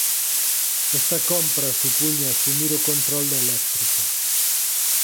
Esta compra supuña asumir o control da eléctrica.